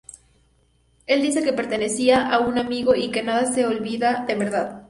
Él dice que pertenecía a un "amigo", y que nada se olvida de verdad.